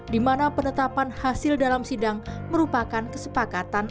di mana penetapan hasil dalam sidang merupakan kesepakatan